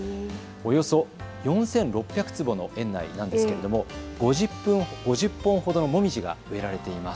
およそ４６００坪の園内なんですが５０本ほどのモミジが植えられています。